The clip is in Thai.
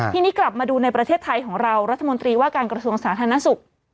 ทีนี้กลับมาดูในประเทศไทยของเรารัฐมนตรีว่าการกระทรวงสาธารณสุข